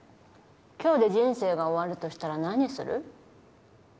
今日で人生が終わるとしたら何する？